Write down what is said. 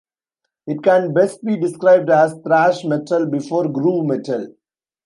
It can best be described as "thrash metal before groove metal".